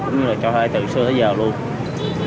cũng như là cho hai từ xưa tới giờ luôn